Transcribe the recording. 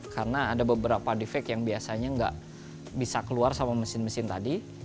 karena ada beberapa defek yang biasanya nggak bisa keluar sama mesin mesin tadi